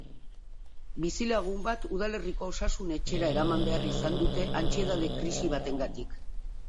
Bizilagun bat udalerriko osasun etxera eraman behar izan dute antsietate-krisi batengatik.